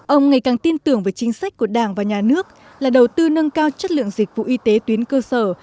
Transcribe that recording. ông ngày càng tin tưởng về chính sách của đảng và nhà nước là đầu tư nâng cao chất lượng dịch vụ y tế tuyến cơ sở